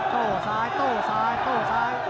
โต้ซ้ายโต้ซ้ายโต้ซ้าย